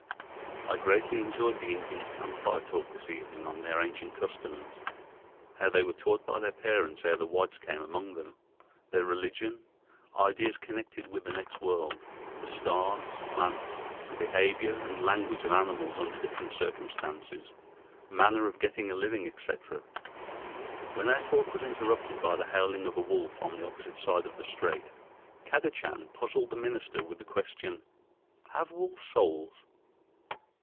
I greatly enjoyed the Indian's camp fire talk this evening on their ancient customs, how they were taught by their parents ere the whites came among them, their religion, ideas connected with the next world, the stars, plants, the behavior and language of animals under different circumstances, manner of getting a living, etc. When our talk was interrupted by the howling of a wolf on the opposite side of the strait, Kadachan puzzled the minister with the question, "Have wolves souls?"